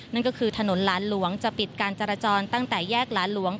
นั่นก็คือถนนหลานหลวงจะปิดการจราจรตั้งแต่แยกหลานหลวง